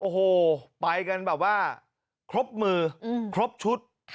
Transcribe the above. โอ้โหไปกันแบบว่าครบมือครบชุด